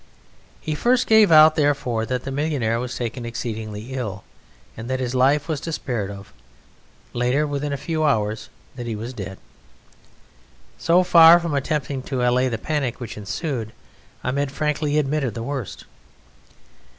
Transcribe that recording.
He first gave out, therefore, that the millionaire was taken exceedingly ill, and that his life was despaired of: later, within a few hours, that he was dead. So far from attempting to allay the panic which ensued, Ahmed frankly admitted the worst.